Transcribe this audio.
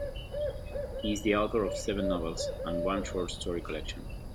He is the author of seven novels, and one short story collection.